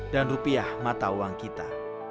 dan rupiah mata uang kita